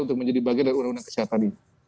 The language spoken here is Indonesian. untuk menjadi bagian dari undang undang kesehatan ini